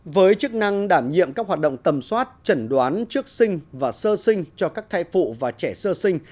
với chức năng đảm nhiệm các hoạt động tầm soát chẩn đoán trước sinh và sơ sinh cho các thai phụ và trẻ sơ sinh